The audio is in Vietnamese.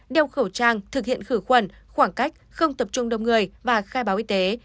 đeo khẩu trang thực hiện khử khuẩn khoảng cách không tập trung đông người và khai báo y tế